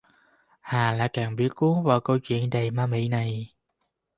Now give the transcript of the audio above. Hà lại càng bị cuốn vào câu chuyện đầy ma mị này